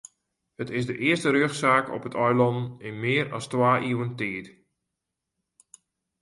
It is de earste rjochtsaak op it eilân yn mear as twa iuwen tiid.